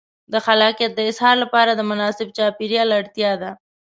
د خلاقیت د اظهار لپاره د مناسب چاپېریال اړتیا ده.